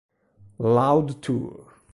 Loud Tour